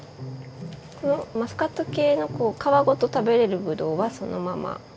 このマスカット系の皮ごと食べれるぶどうはそのまま。